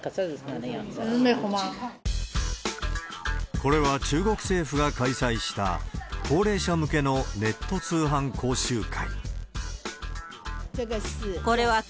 これは中国政府が開催した、高齢者向けのネット通販講習会。